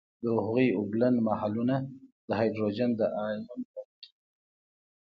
د هغوي اوبلن محلولونه د هایدروجن د آیون لرونکي دي.